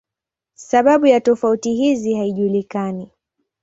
Sababu ya tofauti hizi haijulikani.